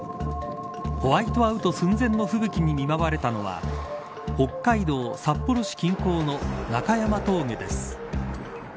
ホワイトアウト寸前の吹雪に見舞われたのは北海道札幌市近郊の中山峠です。